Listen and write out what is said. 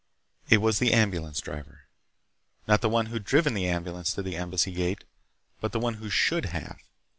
It was the ambulance driver. Not the one who'd driven the ambulance to the Embassy gate, but the one who should have.